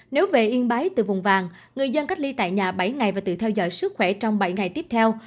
nếu về yên bái từ vùng vàng người dân cách ly tại nhà bảy ngày và tự theo dõi sức khỏe trong bảy ngày tiếp theo